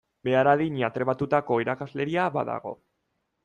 Behar adina trebatutako irakasleria badago.